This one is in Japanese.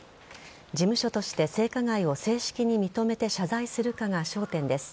事務所として性加害を正式に認めて謝罪するかが焦点です。